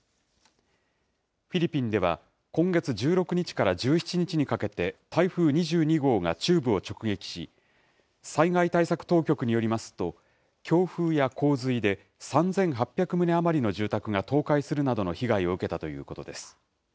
フィリピンでは今月１６日から１７日にかけて、台風２２号が中部を直撃し、災害対策当局によりますと、強風や洪水で３８００棟余りの住宅が倒壊するなどの被害を受けたということです。